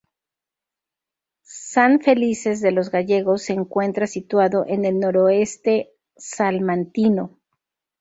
San Felices de los Gallegos se encuentra situado en el noroeste salmantino.